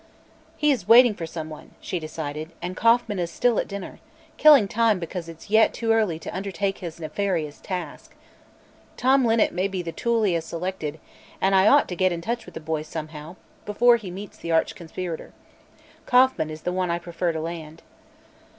"He is waiting for someone," she decided, "and Kauffman is still at dinner killing time because it's yet too early to undertake his nefarious task. Tom Linnet may be the tool he has selected, and I ought to get in touch with the boy, somehow, before he meets the arch conspirator. Kauffman is the one I prefer to land."